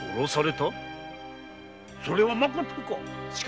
それはまことか？